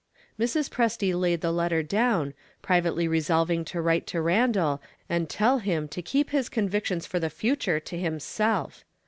Mrs. Presty laid the letter down, privately resolving to write to Randal, and tell him to keep his convictions for the future to himself.